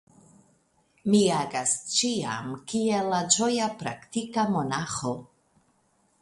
Mi agas ĉiam kiel la ĝoja praktika monaĥo.